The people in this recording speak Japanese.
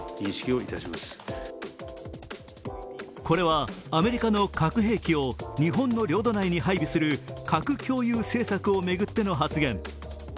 これはアメリカの核兵器を日本の領土内に配備する核共有政策を巡っての発言。